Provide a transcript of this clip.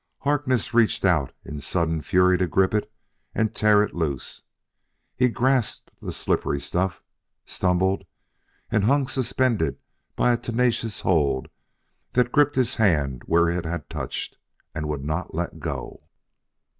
Harkness reached out in sudden fury to grip it and tear it loose. He grasped the slippery stuff, stumbled and hung suspended by a tenacious hold that gripped his hand where it had touched, and would not let go.